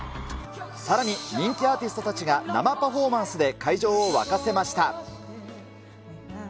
さらに人気アーティストたちが生パフォーマンスで会場を沸かせました。